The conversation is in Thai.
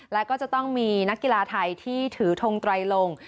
และก็จะต้องมีนักกีฬาไทยที่ถือทงไตรลง